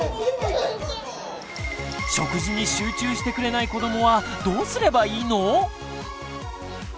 食事に集中してくれない子どもはどうすればいいの？